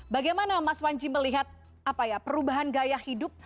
bagaimana mas wanji melihat perubahan gaya hidup